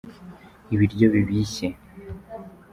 ibiryo bibishye.